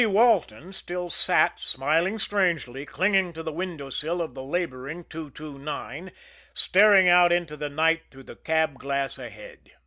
Walton still sat, smiling strangely, clinging to the window sill of the laboring 229, staring out into the night through the cab glass ahead.